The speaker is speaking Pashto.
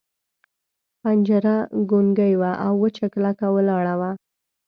پنجره ګونګۍ وه او وچه کلکه ولاړه وه.